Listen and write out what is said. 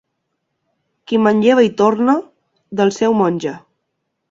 Qui manlleva i torna, del seu menja.